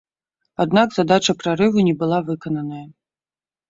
Аднак задача прарыву не была выкананая.